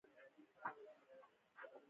ږغ یې مجبور کړ چې ږیره پریږدي